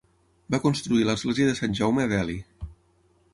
Va construir l'església de Sant Jaume a Delhi.